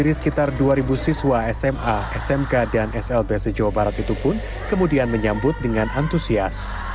contribusi sma smk dan slb sejauh barat itu pun kemudian menyambut dengan antusias